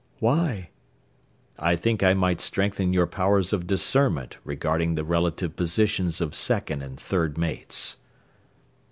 "Why?" "I think I might strengthen your powers of discernment regarding the relative positions of second and third mates."